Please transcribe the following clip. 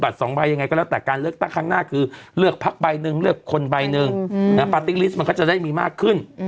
ทั้งเปอร์ปาร์ติกลิสต์มันก็จะได้มีมากขึ้น